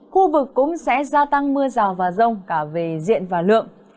khu vực cũng sẽ gia tăng mưa rào và rông cả về diện và lượng